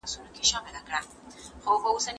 له خپلې خاورې ګټه واخلو.